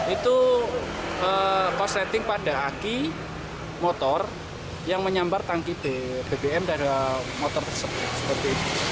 itu posleting pada aki motor yang menyambar tangki bbm dari motor tersebut